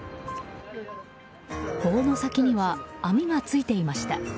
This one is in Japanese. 棒の先には網がついていました。